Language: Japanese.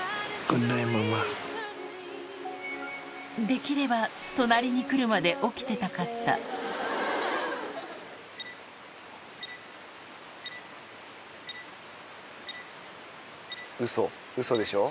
できれば隣に来るまで起きてたかったウソウソでしょ？